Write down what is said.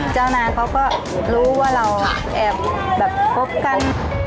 นาเขาก็รู้ว่าเราแอบแบบคบกัน